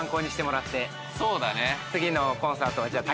そうだね。